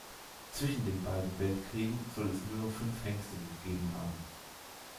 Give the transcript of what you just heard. Zwischen den beiden Weltkriegen soll es nur noch fünf Hengste gegeben haben.